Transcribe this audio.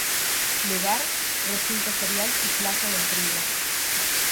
Lugar: Recinto Ferial y Plaza del trigo.